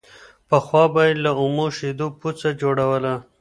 پخوا به يې له اومو شيدو پوڅه جوړوله